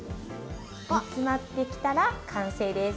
煮詰まってきたら完成です。